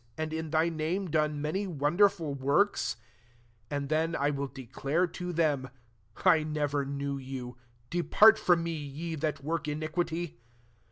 and la thy Bame done many wonder^l wotkB^ 23. And then I will de dare to them» * I never knew ]^u : depart firom me, ye that wmk iniquity.